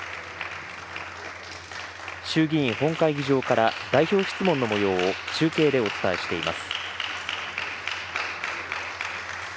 衆議院本会議場から代表質問のもようを中継でお伝えしています。